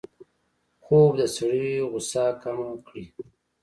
خوب د سړي غوسه کمه کړي